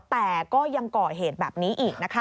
แต่ก็ยังก่อเหตุแบบนี้อีกนะคะ